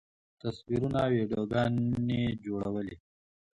تصویرونه، ویډیوګانې جوړولی